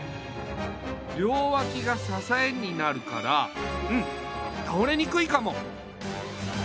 りょうわきがささえになるからうんたおれにくいかも。